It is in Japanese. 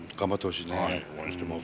はい応援してます。